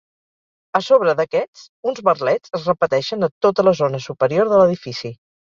A sobre d'aquest uns merlets es repeteixen a tota la zona superior de l'edifici.